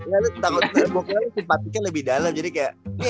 ya lu takut pokoknya lu simpatiknya lebih dalam jadi kayak